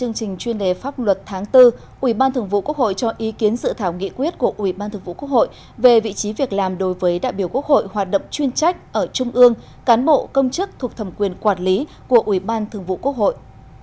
trong chương trình chuyên đề pháp luật tháng bốn ủy ban thường vụ quốc hội cho ý kiến sự thảo nghị quyết của ủy ban thường vụ quốc hội về vị trí việc làm đối với đại biểu quốc hội hoạt động chuyên trách ở trung ương cán bộ công chức thuộc thẩm quyền quản lý của ủy ban thường vụ quốc hội